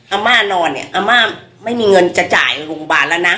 อาม่านอนเนี่ยอาม่าไม่มีเงินจะจ่ายโรงพยาบาลแล้วนะ